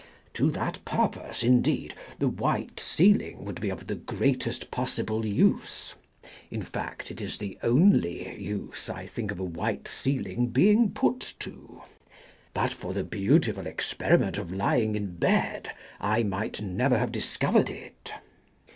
To that purpose, indeed, the white ceiling would be of the greatest possible use ; in fact it is the only use I think of a white ceiling being put to. On Lying in Bed But for the beautiful experiment of lying in bed I might never have discovered it.